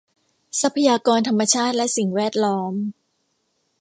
ทรัพยากรธรรมชาติและสิ่งแวดล้อม